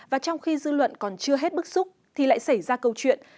và trong khi dư luận còn chưa hết bức xúc thì lại xảy ra câu chuyện